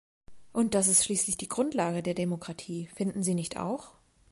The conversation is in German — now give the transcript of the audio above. Und das ist schließlich die Grundlage der Demokratie, finden Sie nicht auch?